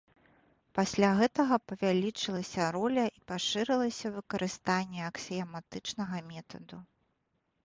Пасля гэтага павялічылася роля і пашырылася выкарыстанне аксіяматычнага метаду.